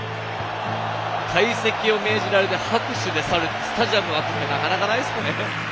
退席を命じられて拍手で去ってスタジアムが沸くってなかなかないですよね。